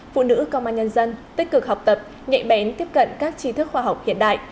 phụ nữ công an nhân dân tích cực học tập nhạy bén tiếp cận các trí thức khoa học hiện đại